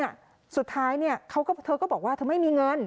สุดท้ายเนี่ยเขาก็เธอก็บอกว่าเธอไม่มีเงิน